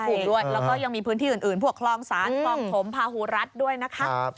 แล้วก็ยังมีพื้นที่อื่นพวกคลอมสารคลอมผมพาหูรัฐด้วยนะครับ